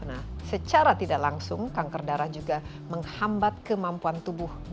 nah secara tidak langsung kanker darah juga menghambat kemampuan tubuh